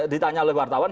ditanya oleh wartawan